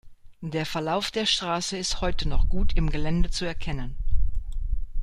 Der Verlauf der Straße ist heute noch gut im Gelände zu erkennen.